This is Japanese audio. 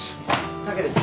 武です